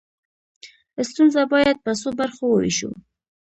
ستونزه باید په څو برخو وویشو.